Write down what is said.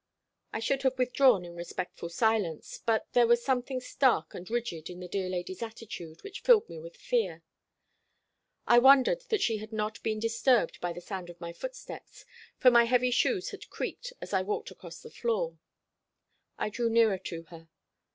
I should have withdrawn in respectful silence, but there was something stark and rigid in the dear lady's attitude which filled me with fear. I wondered that she had not been disturbed by the sound of my footsteps, for my heavy shoes had creaked as I walked across the floor. I drew nearer to her.